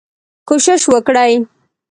کوشش وکړئ